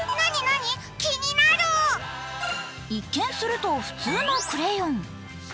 一見すると普通のクレヨン。